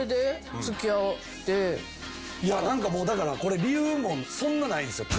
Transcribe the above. いや何かもうだからこれ理由もそんなないんですよ。え！？